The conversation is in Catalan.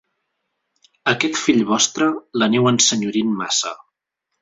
Aquest fill vostre, l'aneu ensenyorint massa.